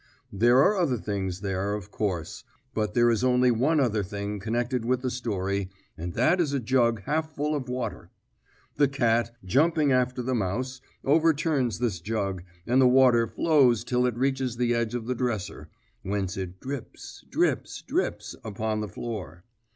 There are other things there, of course, but there is only one other thing connected with the story, and that is a jug half full of water. The cat, jumping after the mouse, overturns this jug, and the water flows till it reaches the edge of the dresser, whence it drips, drips, drips, upon the floor.